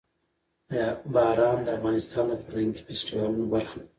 باران د افغانستان د فرهنګي فستیوالونو برخه ده.